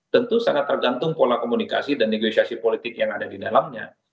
tentu sangat tergantung pola komunikasi dan negosiasi politik yang ada di dalamnya